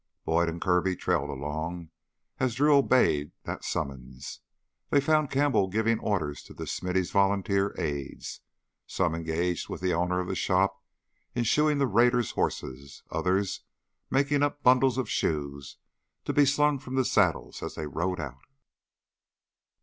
Boyd and Kirby trailed along as Drew obeyed that summons. They found Campbell giving orders to the smith's volunteer aides, some engaged with the owner of the shop in shoeing the raiders' horses, others making up bundles of shoes to be slung from the saddles as they rode out.